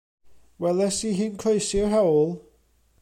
Weles i hi'n croesi'r hewl.